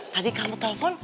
tadi kamu telepon